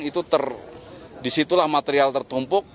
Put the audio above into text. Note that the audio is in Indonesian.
itu disitulah material tertumpuk